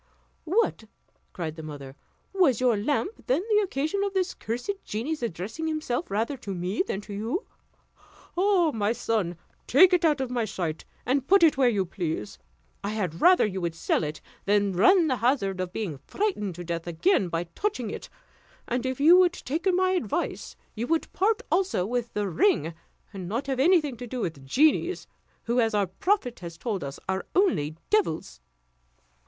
"What!" cried the mother, "was your lamp then the occasion of that cursed genie's addressing himself rather to me than to you? Ah! my son, take it out of my sight, and put it where you please. I had rather you would sell it than run the hazard of being frightened to death again by touching it; and if you would take my advice, you would part also with the ring, and not have anything to do with genies, who, as our prophet has told us, are only devils."